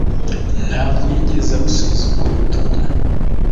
ntabwo yigeze abusubiza ubwo butumwa